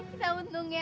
kita menung ya